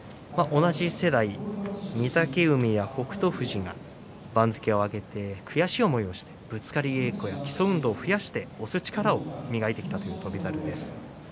同じ世代、御嶽海や北勝富士が番付を上げて悔しい思いをしてぶつかり稽古基礎を磨いてきたという翔猿です。